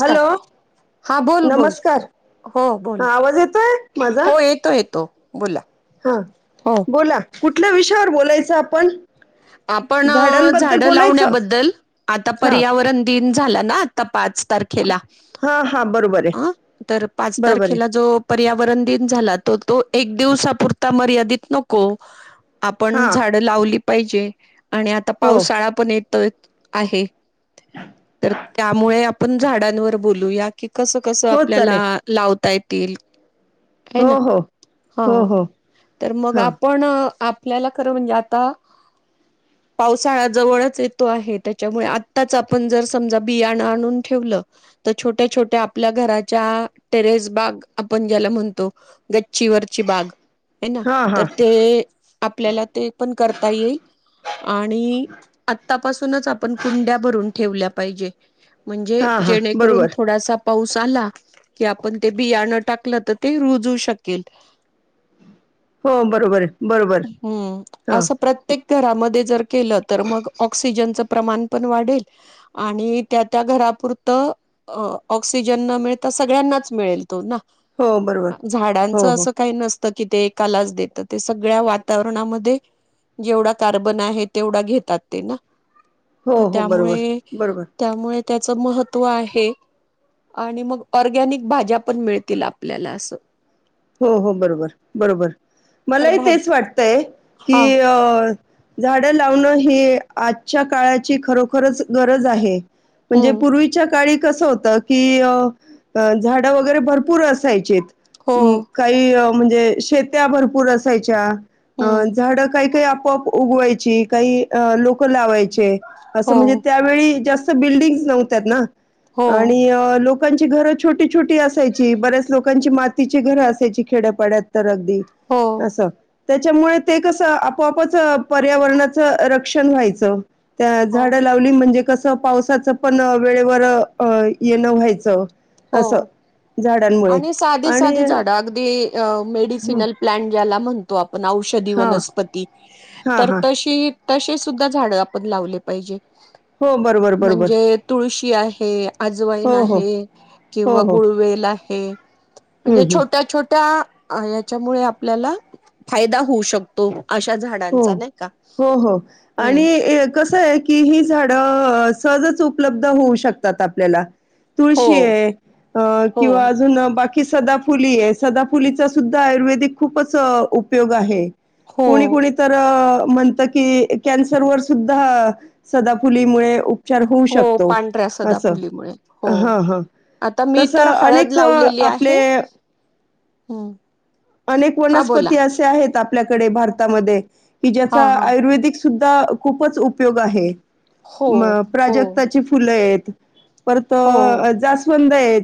Hello हा बोल बोल नमस्कार हो हा बोल आवाज येतोय माझा हो येतो येतो बोला हा हो बोला कुठल्या विषयावर बोलायचं आपण. आपण झाडांबद्दल झाड बोलायचं लावण्याबद्दल आता हा पर्यावरण दिन झालं ना आता पाच तारखेला हा हा बरोबर आहे अ तर पाच बरोबर आहे तारखेला जो पर्यावरण दिन झाला, तर तो एक दिवसापुरता मर्यादित नको‌. हा आपण झाडं लावली. पाहिजे आणि आता हो पावसाळा पण येतोय. आहे तर त्यामुळे आपण झाडांवर बोलूया. की कसं कसं हो आपल्याला चालेल लावता तेल हाय [inaudible] हो ना हो हा हो हो तर मग हां आपण आप आपल्याला खरं म्हणजे आता पावसाळा जवळच येतो आहे त्याच्यामुळे आताच आपण जर समजा बियाणं आणून ठेवलं तर छोट्या छोट्या आपल्या घराच्या टेरेस बाग आपण ज्याला म्हणतो. गच्चिवरची बाग आहे ना हां तर हां ते आपल्याला ते पण करत येईल आणि आतापासूनच आपण कुंड्या भरून ठेवल्या पाहिजे. म्हणजे हां हां जेणेकरून बरोबर थोडासा पाऊस आला की आपण ते बियाणं टाकलं तर ते रुजू शकेल. हो बरोबर आहे बरोबर हा ते घरामध्ये जर केल तर मग ऑसिजन चं प्रमाण पण वाढेल आणि त्या त्या घरापुरतं ऑक्सिजन न मिळता सगळ्यांनाच मिळेल. हो बरोबर झाडांच हो हो असं का नसतं तर की ते एकालाच देत ते सगळ्या वातावरणामध्ये जेवढा कार्बन आहे तेवढा घेतात ते ना हो तर हो बरोबर त्यामुळे बरोबर त्यामुळे त्याच महत्त्व आहे आणि मग ऑरगॅनिक भाज्या पण मिळतील आपल्याला असं. हो हो बरोबर बरोबर तर मलाही भाजी तेच वाटतय की हा अ झाडं लावणं ही आजच्या काळाची खरोखरच गरज आहे. म्हणजे हम्म पूर्वीच्या काळी कस होत की झाडं वगैरे भरपूर असायचे. हो ह् काही म्हणजे शेत्या भरपूर अस हम्म झाड काय काय प उगवायची काही लोक लावाय चे असं हो म्हणजे त्या वेळी जास बिल्डिंग नव्हत ना. हो आणि लोक लोकांची घरं छोटी छोट असयची बऱ्याच लोकांची मात तिची घरं असायची खेड्यापाड्यात तर दि हो अस त्याच्यामुळे ते कसं आपोआपच पर्यावरणाचं रक्षण व्हायचं. त्या हो झाडं लावली म्हणजे कसं पावसाचं पण वेळेवर अ येणं व्हायचं. असं हो झाडांमुळे आणि साधी आणि साधी झाड अगदी अ हं. मेडिसनल प्लांट याला म्हणतो आप पण औषधी हां, वनस्पती हां, तर हां. तशी तसे सुद्धा झाड आपण लावले पाहिजे. हो बरोबर बरोबर. की आहे हो, अजवाईन हो. आहे. हो, किंवा हो. गुळवेला ह. म्हणजे हं, हं. छोट्या छोट्या अ याच्यामुळे आपल्याला फायदा होऊ शकतो. अशा हो झाडांचा नाही का हो हो हम्म आणि कसं आहे? कि ही झाडं सहजच उपलब्ध होऊ शकतात आपल्याला. हो तुळशी आहे अ हो किंवा अजून बाकी सदा फुली आहे सदा फुलीचा सुद्धा आयुर्वेदिक खूपच उपयोग आहे. हो कुळी कुळी अ म्हणत की कॅन्सर वर सुद्धा सदाफुलीमुळे होऊ हो शकतो, पांढऱ्या असं. सदापुलीमुळे हो हां, हां. आता मी तसं तर हळद अनेक अ, लावलेली आहे आपले हम्म अनेक हा बोला वनस्पती असे आहेत आप आपल्याकडे भारतामध्ये कि ज्या हा हा आयुर्वेदिक सुद्धा खूपच उपयोग आहे हो, मग हो, प्राजक्ताची फुलं आहेत परत हो, जास्व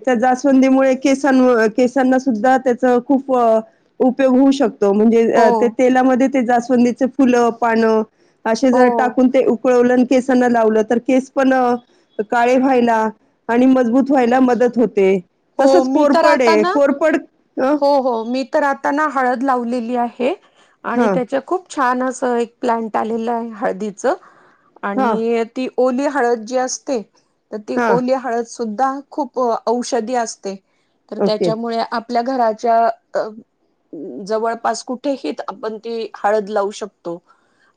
त्या जाासवंदीमुळे केसां केसांना सुद्धा त्याच खूप उपयोग होऊ शकतो म्हणजे हो, तेलामध्ये ते जाासवंदीच फुलं पाणं असे जर हो, टाकून ते उकळवलं केसांना लावलं तर केस पण काळे व्हायला आणि मजबूत व्हायला मदत होते हो तसंच मी तर कोरपड आता आहे ना कोरपड अ, हो हो मी तर आता त्यांना हळद लावलेली आहे आणि हां, त्याच्या खूप छान असं एक प्लंट आलेलं आहे हळदीच हां. आणि ती ओली हळद जी असते तर ती हां, ओली हळद सुद्धा खूप औषधी असते तर ओके. त्याच्यामुळे आपल्या घराच्या जवळपास कुठेही आपण ती हळद लावू शकतो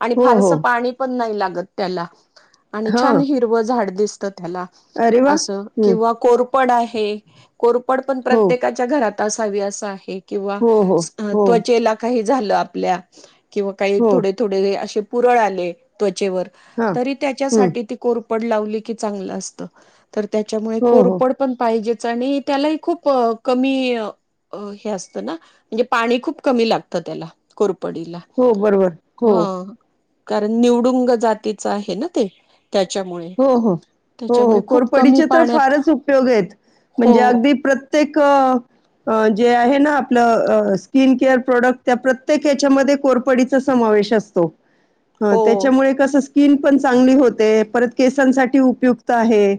आणि हो, फारस हो. पाणी पण नाही लागत गतला आणि छान हां. हिरवं झाड दिसत अरे वाह! अस हं. किंवा को पडा आहे कोरपड पण हो, प्रत्येकाच्या घरात तसावी असं आहे किंवा हो, हो, हो, त्वचेला काही झालं आपल्या किंवा काही हो. थोडे थोडे असे पुरळ आले हां. त्या हं. पड ला की चांगलं असत तर त्याच्यामुळे हो, हो. कोरपड पण पाहिजेत ख कण खप पडला हो, बरोबर. हो, हा कारण निवडुंग जातीच आहे ना ते त्याच्यामुळे हो हो हो हो त्याच्यामुळे खूप कमी कोरपडीचे तर पाण्यात फारच उपयोग आहेत हो म्हणजे अगदी प्रत प्रत्येक जे आहे ना आपलं स्किन केअर प्रोडक्ट त्या प्रत्येक याच्यामध्ये कोरपडीचा समावेश असतो ह हो त्याच्यामुळे कसं स्किन पण चांगली होते परत केसांसाठी उपयुक्त आहे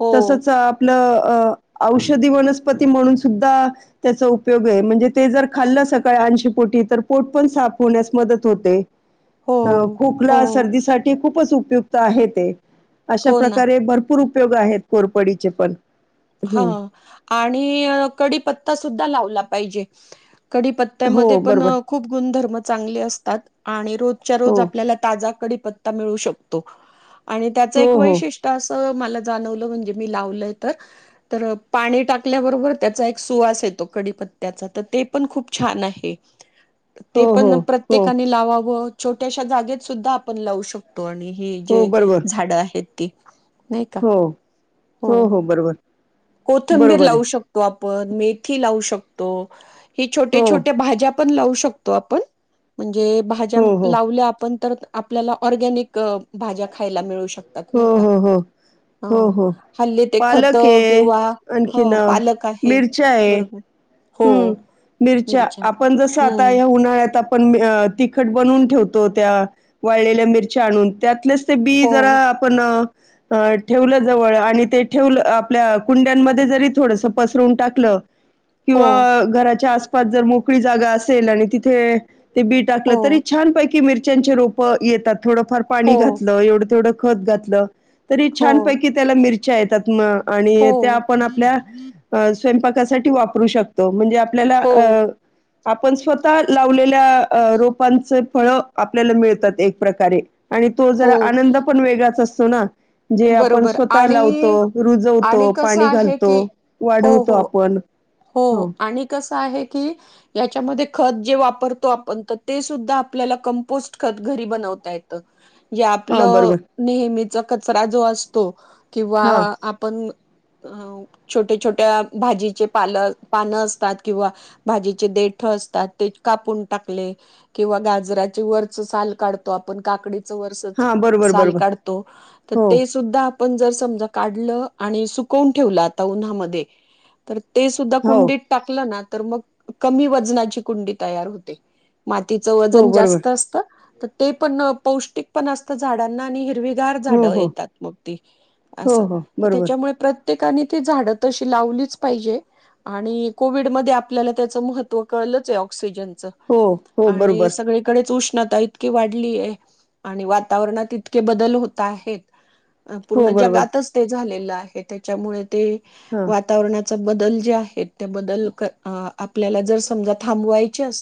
हो तसच आपलं अ औषधी वनस्पती म्हणून सुद्धा त्याचा उपयोग आहे म्हणजे ते जर खाल्लं सकाळी ऐंशी पोटी तर पोट पण साफ होण्यास मदत होते हो अ हो खूकला सर्दीसाठीठी खूपच उपयुक्त आहे ते अशा हो ना प्रकारे भरपूर उपयोग आहेत कोरपडीचे पण हा हम्म आणि कडीी पत्ता सुद्धा लावो पाहिजे कडीीपत्त्यामध्ये हो पण बरोबर खूप गुणधर्म चांगले असतात आणि र हो आप ता त्ता मिळू शकतो आणि त्याचं हो एक हो वैशिष्ट्य अस मला जाणवलं म्हणजे मी लावलं तर तर पाणी टाकल्याबरोबर त्याचा एक सुवास येतो कडीीपत्त्याचा तर ते पण खूप छान आहे ते हो पण हो हो प्रत्येकाने लावावं छोट्याशा जागेत सुद्धा आपण लावू शकतो आणि ही हो जे बरोबर झाडं आहेत ते नय का हो हो हो बरोबर कोथंबीर बरोबर आहे लावू शकतो आप पण मेथी लावू शकतो. हे छोटे हो छोट्या भाज्या पण लावू शकतो आपण हे भाज्या हो हो लावल्या आपण तर आपल्याला ऑरगॅनिक भाज्या खायला मिळू शक हो नाही हो हो का हल्ली ते खत किंवा ह आणखीनं पालक आहे मिरचा ये बरोबर हो हूं मिरच्या आपण जस आता हम्म या उन्हाळ्यात त्यात आपण अ तिखट बनवून ठेवतो त्या वाळलेल्या मिरच्या आणून त्यातलेच ते बी हो जरा आपण अ ठेवलं जवळ आणि ते ठेवलं आपल्या कुंड्यांमध्ये जरी थोडस पसरून टाकलं हो किंवा घराच्या आस पास जर मोकळी जागा असेल आणि तिथे ते बी टाकलं हो तरी छानपैकी मिर च्याचे रोप येतात. थोडंफार पाणी हो घातलं एवढं तेवढं खत घातलं तरी हो छानपैकी त्याला मिर च्या येतात म आणि त्या हो आपण आपल्या अ स्वयंपाक त्या साठी वाप रू शकतो म्हणजे आप आपल्याला हो अ आपण स्वतः लावलेल्या अ रोपांच फळ आपल्याला मिळतात एक प्रकारे आणि तो हो जरा आनंद पण वेगळाच अस तो ना जे आपण बरोबर स्वतः लावतो, आणि आणि रुजवतो, कसं पाणी आहे घालतो, की हो वाढवतो हो आपण हो आणि क कस की याच्यामध्ये खत जे वापतो आपण ट ते सुध्या आपल्याला कपोट खत घरी बनवता येत. या हां, आपलं बरोबर. नेहमीच कचरा जो असतो किंवा हां, आपण अ छोट्या छोट्या भाजीचे पा पान असतात किंवा भाजीचे देठ असतात ते कापून टाकले किंवा गाजरा वरचल काढतो आपण काकडी हां, बरोबर, बरोबर. हो, सुा आपण जर समजा काढलं आणि सुकवून ठेवलं आता उन्हामध्ये तर ते सुद्धा हो, कुंडीत टाकलं ना तर मग कमी वजनाची कुंडी तयार होते मातीचं हो, वजन बरोबर. जास्त असत तर ते पण पौष्टिक पण असतं झाडांना आणि हिरवे झा हो, हो, येतात मग हो, अस हो, बरोबर. त्याच्यामुळे्य प्रत्येकाने त झाडं तशी लावलीच पाहिजे आणि कोविड म आपल्याला त्याच महत्त्व कळलंच आहे ऑक्सिजन हो, हो, आणि बरोबर. सगळीकडे उ उष्णता इतकी वाढली आहे आणि वातावरणात इतके बदल होत आहेत हो, पूर्ण बरोबर. जगातच ते झाले आहे त्याच्यामुळे ते हां, वातावरणात बदल ल्या ज सम अस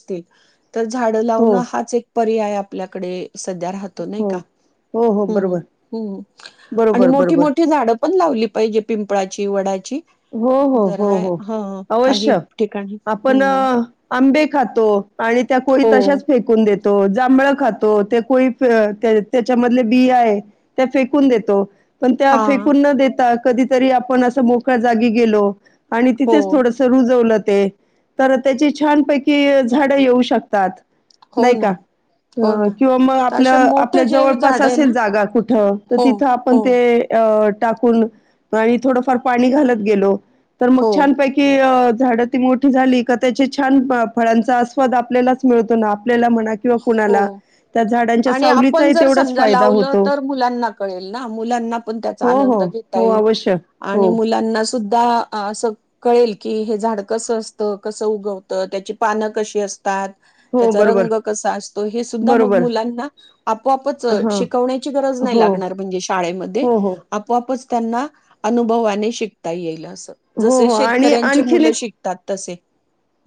तर झाडं हो, लावणं हाच एक पर्याय आपल्याकडे सध्या राहतो नाही का हो. हो, हो, बरोबर. आणि बरोबर, मोठी बरोबर. मोठी झाड पण लावली पाहिजे पिंपळाची वडाची हो हो जरा हो हाय हो ह काही अवश्य. ठिकाणी आपण हम्म अ, आंबे खातो आणि त्या कोळी हो तशाच फेकून देत जांभळ खातो ते कोळी त्याच्या मधले बी आहे त्या फेकून देतो पण त्या हा फेकून न देेतात कधीतरी आपण अस जागी गेलो आणि हो तिथेच थोडंसं रुजवलं ते तर तेची छान पैकी झाडं येऊ शकतात. हो नाही ना का हो ना किंवा म तर आपल असे आपल्या मोठे जे जवळपास झाड आहे असेल ना जागा कुठ तर हो तिथं आपण हो ते टाकून पाणी थोडं फार पाणी घालत गेलो. तर मग हो छान पैकी अ झाड ती मोठी झाली का त्याचे छान फळांचा आस्वाद आपल्यालाच मिळतो ना आपल्याला म्हणा किंवा कुणाला. हो. त्या झाडांच्या आणि आपण सावलीचाही जर तेवढाच समजा फायदा लावलं होतो. तर मुलांना कळेल ना मुलांना पण त्याचा हो, आनंद हो. घेता हो, येईल अवश्य. आणि हो. मुलांना सुद्धा अस कळेल की हे झाड कसं असतं कसं उगवतं त्याची पानं कशी असतात. हो त्याचा बरोबर. रंग कसा आसतो. हे सुद्धा मग बरोबर. मुलांना आपोआपच अ हां. शिकवण्याची गरज नाही हो. लागणारं म्हणजे शाळेमध्ये हो, हो. आपोआपच त्यांना अनुभवाने शिकता येईल अस हो, जसे हो. आणि शेतकऱ्यांचे आणखीन मुलं एक शिकतात. तसे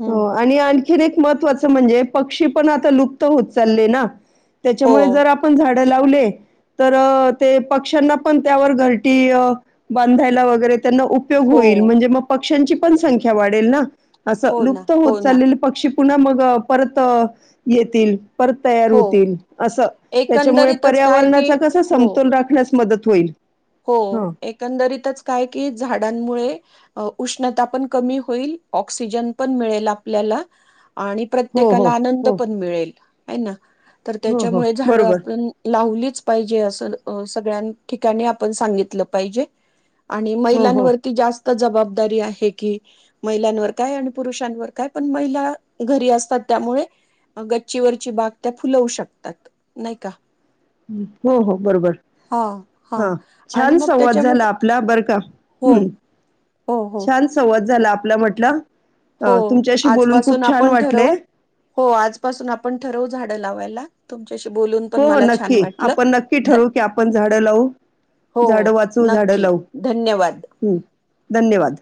हम्म हो आणि आणखी एक महत्त्वाचं म्हणजे पक्षी पण आता लुप्त होत चालले ना. हो त्याच्यामुळे जर आपण झाड लावले तर ते पक्ष्यांना पण त्यावर घरटी अ बांधायला वगैरे त्यांना उपयोग हो होईल म्हणजे मग पक्ष्यांची पण संख्या वाढेल ना. हो ना लुप्त हो होत ना चालले पक्षी पुन्हा मग परत येतील. परत तयार हो होतील. अस त्याच्यामुळे एकंदरीतच काय की पर्यावरणाचा कसा हो समतोल राखण्यास मदत होईल. हो हां. एकंदरीतच काय की झाडांमुळे उष्णता पण कमी होईल ऑक्सिजन पण मिळेल आपल्याला आणि हो, हो, प्रत्येकाला आनंद हो, पण मिळेल. आहे ना. तर हो, हो. त्याच्यामुळे झाड बरोबर. आपण लावलीत पाहिजे अस अ सगळ्या ठिकाणी आप पण सांगितलं पाहिजे. आणि हो, हो. महिलांवरती जास्त जबाबदारी आहे. कि महिलांवर काय आणि पुरुषांवर काय पण महिला घरी असतात त्यामुळे गच्चीवरची बाग त्या फुलवू शकतात. नाही का. हो हो बरोबर हा आणि छान मग संवाद झाला त्याच्यामध्ये आपला बरं का हो हम्म हो हो छान संवाद झाला आपला म्हटलं. अ हो तुमच्याशी बोलून आजपासून खूप छान आपण वाटले. ठरवू, हो आजपासून आपण ठरवू झाडं लावायला. [unintelligible] पण हो हो मला छान नक्की वाटलं आपण नक्की ध ठरवू की आपण झाडं लावू, हो झाड वाचू, झाडं नक्की लावू धन्यवाद हम्म. धन्यवाद.